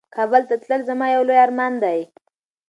کابل ته تلل زما یو لوی ارمان دی.